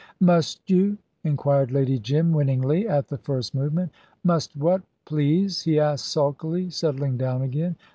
"Must you?" inquired Lady Jim, winningly, at the first movement. "Must what, please," he asked sulkily, settling down again.